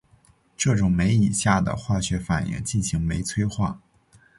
这种酶以下的化学反应进行酶催化。